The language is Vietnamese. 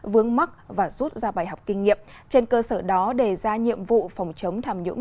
vướng mắt và rút ra bài học kinh nghiệm trên cơ sở đó đề ra nhiệm vụ phòng chống tham nhũng